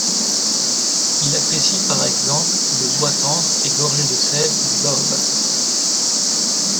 Il apprécie par exemple le bois tendre et gorgé de sève du baobab.